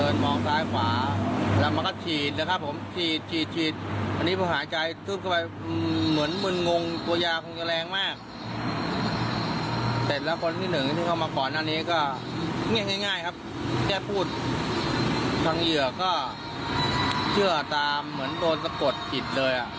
น้องเหยียก็เชื่อตามเหมือนโดนสะกดผิดเลย